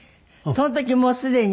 その時もうすでに？